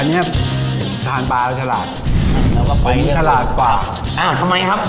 อันนี้ครับทานปลาเราฉลาดเราก็ไปผมฉลาดกว่าอ่าทำไมครับ